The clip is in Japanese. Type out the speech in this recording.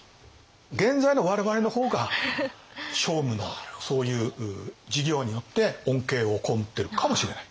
現在の我々の方が聖武のそういう事業によって恩恵を被ってるかもしれない。